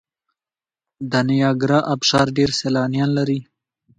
د نیاګرا ابشار ډیر سیلانیان لري.